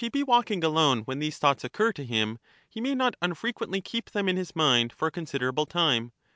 Soc, But if he he walking alone when these thoughts occur to him, he may not unfrequently keep them in his mind for a considerable time.